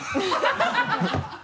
ハハハ